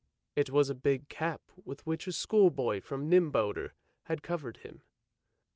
It was a big cap with which a schoolboy from Nydober had covered him.